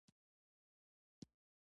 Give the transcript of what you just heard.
ما خپل ځان په خپله په ستونزو کي غورځولی.